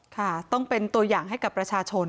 ค่ะต้องเป็นตัวอย่างให้กับประชาชน